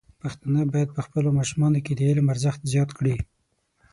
پښتانه بايد په خپلو ماشومانو کې د علم ارزښت زیات کړي.